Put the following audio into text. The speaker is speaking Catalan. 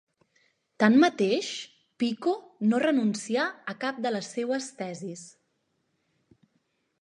Tanmateix, Pico no renuncià a cap de les seues tesis.